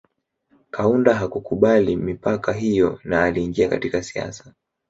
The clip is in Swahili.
Kaunda hakukubali mipaka hiyo na aliingia katika siasa